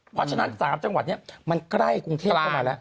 เพราะฉะนั้น๓จังหวัดนี้มันใกล้กรุงเทพเข้ามาแล้ว